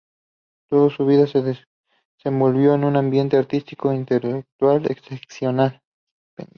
Toda su vida se desenvolvió en un ambiente artístico e intelectual excepcional.